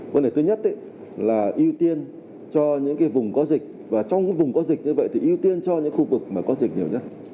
vấn đề thứ nhất là ưu tiên cho những vùng có dịch và trong những vùng có dịch như vậy thì ưu tiên cho những khu vực mà có dịch nhiều nhất